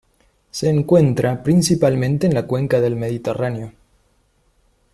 Se encuentra principalmente en la cuenca del Mediterráneo.